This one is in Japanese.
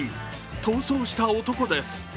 逃走した男です。